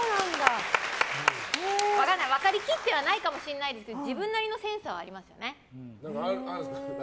分かりきってはないかもしれないですけど自分なりのセンサーはありますよね。